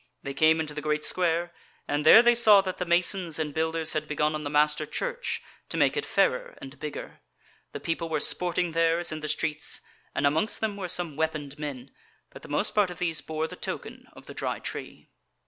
They came into the great square, and there they saw that the masons and builders had begun on the master church to make it fairer and bigger; the people were sporting there as in the streets, and amongst them were some weaponed men, but the most part of these bore the token of the Dry Tree.